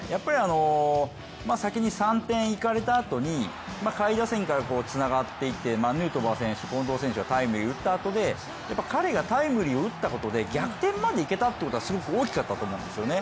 先に３点いかれたあとに下位打線からつながっていってヌートバー選手、近藤選手がタイムリー打ったあとで、彼がタイムリー打ったことで逆転までいけたっていうことはすごく大きかったと思うんですよ。